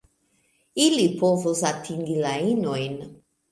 Ili povos atingi la inojn.